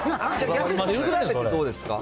どうですか？